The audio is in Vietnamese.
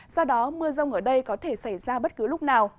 do đó mưa rông ở đây có thể xảy ra bất cứ lúc nào